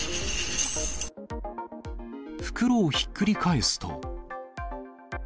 袋をひっくり返すと。